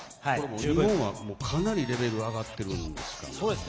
日本はかなりレベルが上がってますか。